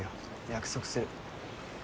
約束する。